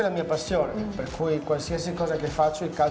mengapa kamu sangat berminat dengan sepak bola dan di pasaran asal